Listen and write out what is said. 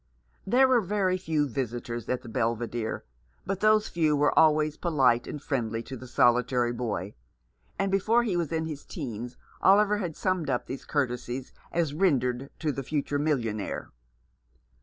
There were very few visitors at the Belvidere, but those few were always polite and friendly to the solitary boy, and before he was in his teens Oliver had summed up these courtesies as rendered to the future millionaire.